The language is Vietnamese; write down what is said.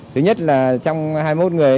thứ nhất là trong hai mươi một người